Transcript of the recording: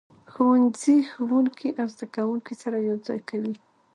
ښوونځی ښوونکي او زده کوونکي سره یو ځای کوي.